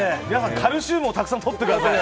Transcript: カルシウムをたくさんとってください。